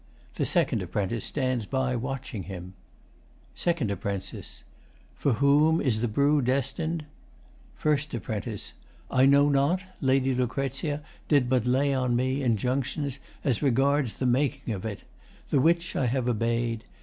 The SECOND APPRENTICE stands by, watching him. SECOND APP. For whom is the brew destin'd? FIRST APP. I know not. Lady Lucrezia did but lay on me Injunctions as regards the making of 't, The which I have obey'd.